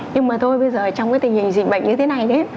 nhưng mà thôi bây giờ trong tình hình dịch bệnh như thế này